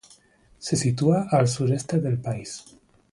Se sitúa al sureste del país.